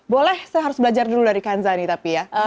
boleh saya harus belajar dulu dari kanza nih tapi ya